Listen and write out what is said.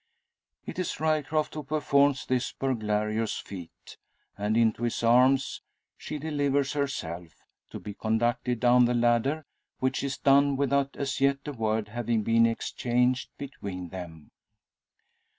It is Ryecroft who performs this burglarious feat, and into his arms she delivers herself, to be conducted down the ladder; which is done without as yet a word having been exchanged between them.